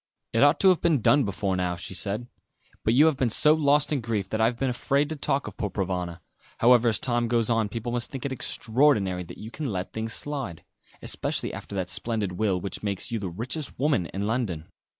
"It ought to have been done before how," she said, "but you have been so lost in grief, that I have been afraid to talk of poor Provana; however, as time goes on people must think it extraordinary that you can let things slide; especially after that splendid will which makes you the richest woman in London."